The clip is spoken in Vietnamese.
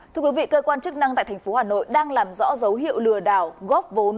thưa quý vị cơ quan chức năng tại thành phố hà nội đang làm rõ dấu hiệu lừa đảo góp vốn